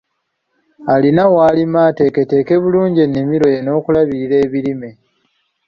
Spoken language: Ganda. Alina w'alima ateeketeeke bulungi ennimiro ye n'okulabirira ebirime.